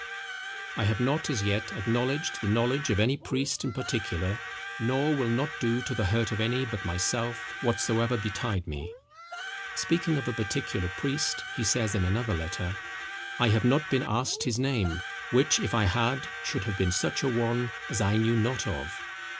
—"I have not as yet acknowledged the knowledge of any priest in particular, nor will not do to the hurt of any but myself, whatsoever betide me." Speaking of a particular priest, he says in another letter; "I have not been asked his name, which if I had, should have been such a one as I knew not of."